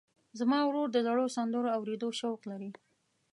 زما ورور د زړو سندرو اورېدو شوق لري.